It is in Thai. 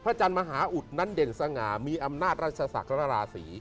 จันทร์มหาอุดนั้นเด่นสง่ามีอำนาจราชศักดิ์และราศี